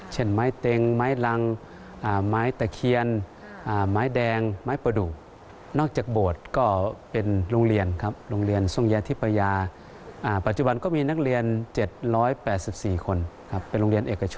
เช่นไม้เต็งไม้ลัง